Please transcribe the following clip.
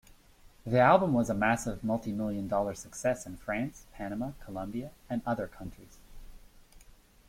The album was a massive multimillion-dollar success in France, Panama, Colombia and other countries.